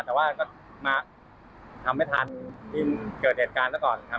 แต่ว่าก็มาทำไม่ทันที่เกิดเหตุการณ์ซะก่อนครับ